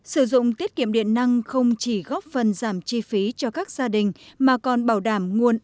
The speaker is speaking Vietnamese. sử dụng tiết kiệm điện năng không chỉ góp phần giảm chi phí cho các gia đình mà còn bảo đảm nguồn